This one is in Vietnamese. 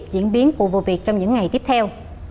diễn biến của vụ việc trong những ngày tiếp theo